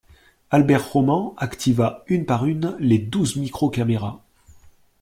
Albert Roman activa une par une les douze micro-caméras